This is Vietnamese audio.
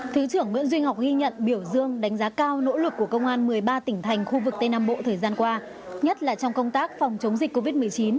thứ trưởng nguyễn duy ngọc ghi nhận biểu dương đánh giá cao nỗ lực của công an một mươi ba tỉnh thành khu vực tây nam bộ thời gian qua nhất là trong công tác phòng chống dịch covid một mươi chín